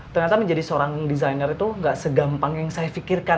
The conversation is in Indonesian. ternyata menjadi seorang desainer itu gak segampang yang saya pikirkan